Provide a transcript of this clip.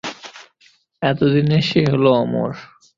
এতদিনে সে হল অমর।